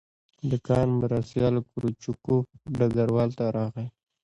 د کان مرستیال کروچکوف ډګروال ته راغی